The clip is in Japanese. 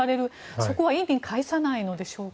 そこは意に介さないのでしょうか。